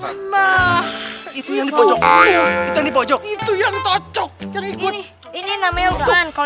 pernah jadi artis om sama emang itu yang di pojok itu yang di pojok itu yang cocok ini ini namanya untuk